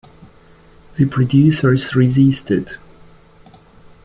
The producers resisted.